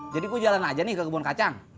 jadi gua jalan aja nih ke kebun kacang